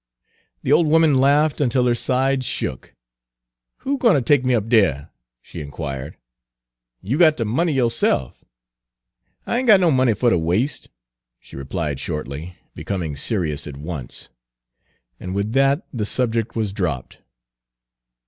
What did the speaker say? The old woman laughed until her sides shook. "Who gwine ter take me up dere?" she inquired. "You got de money yo'se'f." "I ain' got no money fer ter was'e," she replied shortly, becoming serious at once; and with that the subject was dropped.